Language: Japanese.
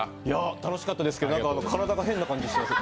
楽しかったですけど体が変な感じします。